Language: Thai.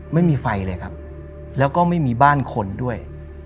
ไม่มีไฟเลยครับแล้วก็ไม่มีบ้านคนด้วย